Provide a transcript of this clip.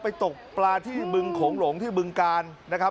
ตกปลาที่บึงโขงหลงที่บึงกาลนะครับ